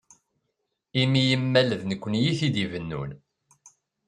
Imi imal d nekkni i t-id-ibennun.